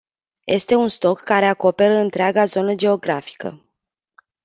Este un stoc care acoperă întreaga zonă geografică.